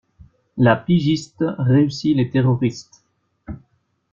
La pigiste réussit les terroristes.